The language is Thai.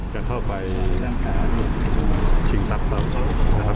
จะเข้าไปชิงทรัพย์เขานะครับ